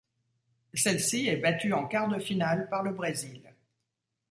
Celle-ci est battue en quarts de finale par le Brésil.